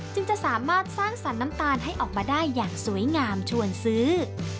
จึงจะสามารถสร้างสรรค์น้ำตาลให้ออกมาได้อย่างสวยงามชวนซื้อ